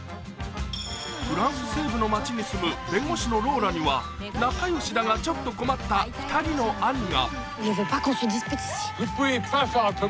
フランス西部の街に住む弁護士のローラには、仲良しだが、ちょっと困った２人の兄が。